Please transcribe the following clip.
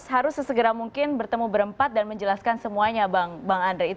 harus sesegera mungkin bertemu berempat dan menjelaskan semuanya bang andre